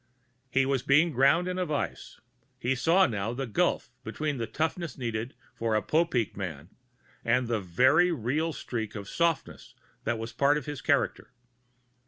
_ He was being ground in a vise; he saw now the gulf between the toughness needed for a Popeek man and the very real streak of softness that was part of his character.